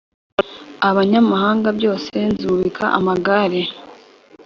abanyamahanga byose Nzubika amagare